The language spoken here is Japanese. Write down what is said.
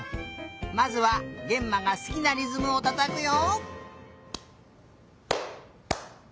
まずはげんまがすきなりずむをたたくよ。